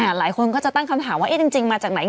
หลายคนก็จะตั้งคำถามว่าจริงมาจากไหน